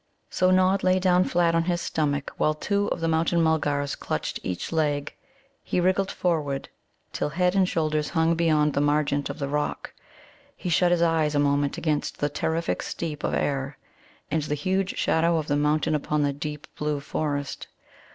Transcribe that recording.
So Nod lay down flat on his stomach, while two of the Mountain mulgars clutched each a leg. He wriggled forward till head and shoulders hung beyond the margent of the rock. He shut his eyes a moment against that terrific steep of air, and the huge shadow of the mountain upon the deep blue forest.